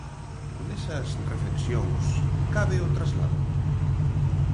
Nesas reflexións cabe o traslado?